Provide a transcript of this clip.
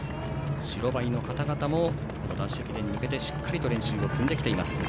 白バイの方々も男子駅伝に向けて、しっかりと練習を積んできています。